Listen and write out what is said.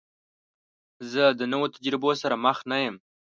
زه د نوو تجربو سره مخ نه یم.